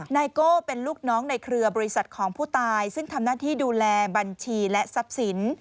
นายโก้เป็นลูกน้องในเครือบริษัทของผู้ตายซึ่งทำหน้าที่ดูแลบัญชีและทรัพย์สิน